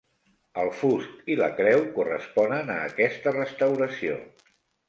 El fust i la creu corresponen a aquesta restauració.